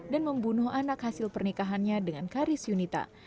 dan membunuh anak hasil pernikahannya dengan karis unita